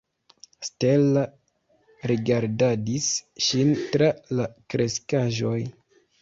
Stella rigardadis ŝin tra la kreskaĵoj.